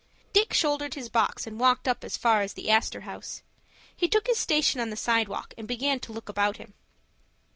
Dick shouldered his box and walked up as far as the Astor House. He took his station on the sidewalk, and began to look about him.